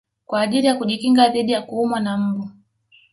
Kwa ajili ya kujikinga dhidi ya kuumwa na mbu